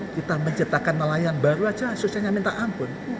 kita menciptakan nelayan baru saja susahnya minta ampun